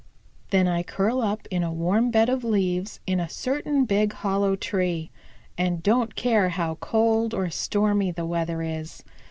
Then I curl up in a warm bed of leaves in a certain big hollow tree, and don't care how cold or stormy the weather is.